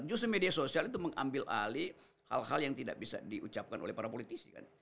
justru media sosial itu mengambil alih hal hal yang tidak bisa diucapkan oleh para politisi kan